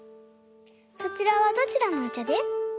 そちらはどちらのお茶で？